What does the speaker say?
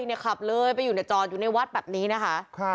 ขับเลยไปอยู่ในจอดอยู่ในวัดแบบนี้นะคะ